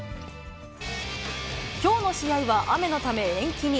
きょうの試合は雨のため延期に。